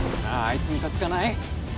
あいつムカつかない？